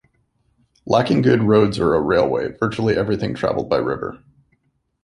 Lacking good roads or a railway, virtually everything traveled by river.